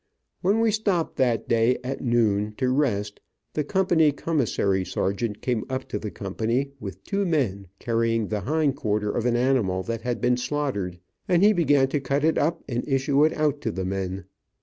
When we stopped that day, at noon, to rest, the company commissary sergeant came up to the company, with two men carrying the hind quarter of an animal that had been slaughtered, and he began to cut it up and issue it out to the men.